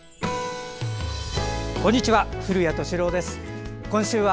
こんにちは。